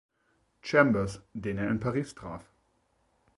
Chambers, den er in Paris traf.